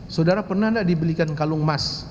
saudara pernah tidak dibelikan kalung emas